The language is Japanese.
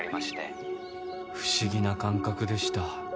不思議な感覚でした。